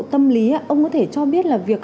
tâm lý ông có thể cho biết là việc